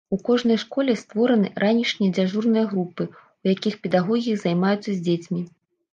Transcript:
У кожнай школе створаны ранішнія дзяжурныя групы, у якіх педагогі займаюцца з дзецьмі.